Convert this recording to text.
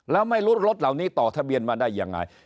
แล้วไม่รู้รถเหล่านี้ต่อทะเบียนมาได้ยังไง